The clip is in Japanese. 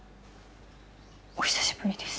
お久しぶりです。